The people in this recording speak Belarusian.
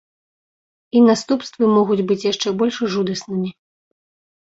І наступствы могуць быць яшчэ больш жудаснымі.